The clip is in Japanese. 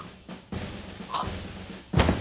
あっ。